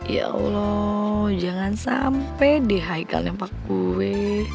ya allah jangan sampai deh haikalnya pak gue